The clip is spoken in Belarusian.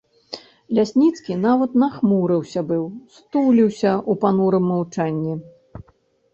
Лясніцкі нават нахмурыўся быў, стуліўся ў панурым маўчанні.